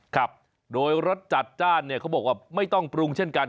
ครับโดยรสจัดจ้านเนี่ยเขาบอกว่าไม่ต้องปรุงเช่นกัน